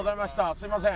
すいません。